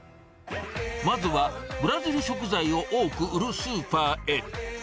まずは、ブラジル食材を多く売るスーパーへ。